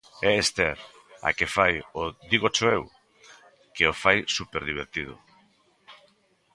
É Esther, a que fai o "Dígocho eu", que o fai superdivertido.